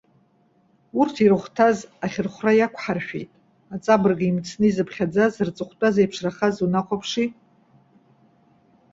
Урҭ ирыхәҭаз ахьырхәра иақәҳаршәеит. Аҵабырг имцны изыԥхьаӡаз рҵыхәтәа зеиԥшрахаз унахәаԥши!